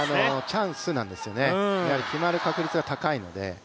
チャンスなんですよね、決まる確率が高いので。